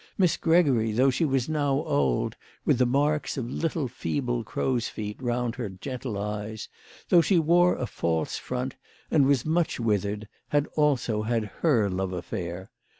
Miss Gregory, though she was now old, with the marks of little feeble crow's feet round her gentle eyes, though she wore a false front and was much withered, had also had her love affair.